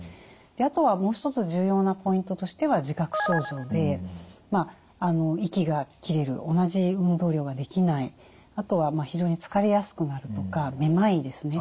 であとはもう一つ重要なポイントとしては自覚症状で息が切れる同じ運動量ができないあとは非常に疲れやすくなるとかめまいですね。